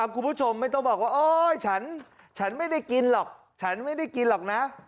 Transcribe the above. คุณผู้ชมไม่ต้องบอกว่าฉันไม่ได้กินหรอก